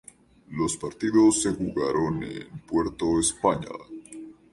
Los partidos se jugaron en Puerto España.